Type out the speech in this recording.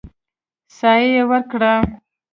سا يې ورکړه.